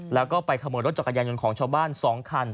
แล้วก็ไปขโมยรถจักรยานยนต์ของชาวบ้าน๒คัน